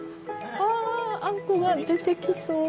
ああんこが出てきそう。